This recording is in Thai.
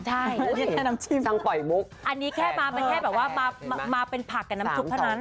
ใช่นี่แค่น้ำจิ้มอันนี้แค่มาเป็นผักกับน้ำชุบเท่านั้น